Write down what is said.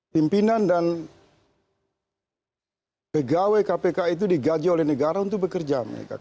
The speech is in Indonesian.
pimpinan dan pegawai kpk itu digaji oleh negara untuk bekerja